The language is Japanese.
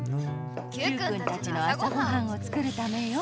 Ｑくんたちの朝ごはんを作るためよ。